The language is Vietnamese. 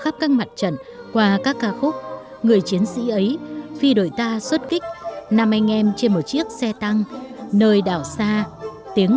tất cả các ca khúc mà đi cùng năm tháng